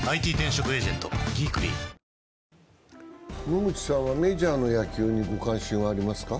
野口さんはメジャーの野球にご関心はありますか？